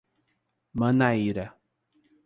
Manaíra